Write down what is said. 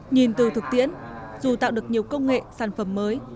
nhìn từ thực tiễn dù tạo được nhiều công nghệ sản phẩm mới